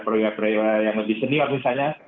pria priwa yang lebih senior misalnya